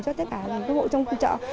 cho tất cả các hộ trong chợ